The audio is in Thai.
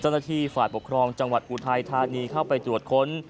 จัดประทีฝ่าประความจังหวัดอุทัยธานีเข้าไปตรวจค้น